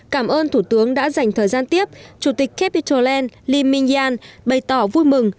cảm ơn thủ tướng đã dành thời gian tiếp chủ tịch capital land lim minh nhan bày tỏ vui mừng